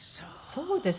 そうです。